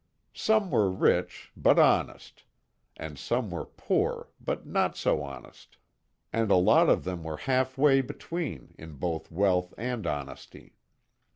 Some were rich, but honest; and some were poor, but not so honest, and a lot of them were half way between in both wealth and honesty.